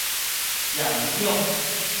瞻仰